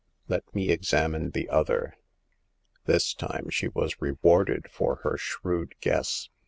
Let me examine the other." This time she was rewarded for her shrewd guess.